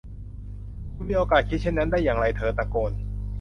คุณมีโอกาสคิดเช่นนั้นได้อย่างไร เธอตะโกน